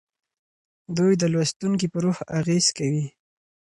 دوی د لوستونکي په روح اغیز کوي.